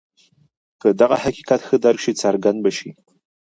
که دغه حقیقت ښه درک شي څرګنده به شي.